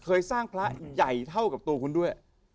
สร้างพระใหญ่เท่ากับตัวคุณด้วย